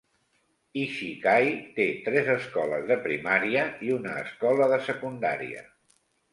Ichikai té tres escoles de primària i una escola de secundària.